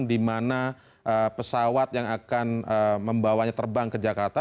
di mana pesawat yang akan membawanya terbang ke jakarta